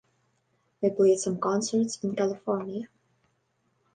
They played some concerts in California.